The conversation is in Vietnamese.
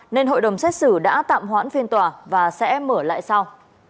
nên hội đồng xét xử đã tạm hoãn phiên tòa và sẽ mở lại sau